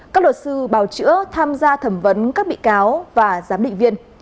các luật sư bào chữa tham gia thẩm vấn các bị cáo và giám định viên